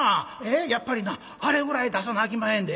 やっぱりなあれぐらい出さなあきまへんで。